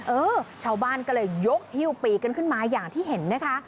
เออชาวบ้านก็เลยยกฮิ้วปีกกันขึ้นมาอย่างที่เห็นนะคะ